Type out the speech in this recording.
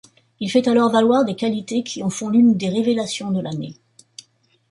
Il fait alors valoir des qualités qui en font l'une des révélations de l'année.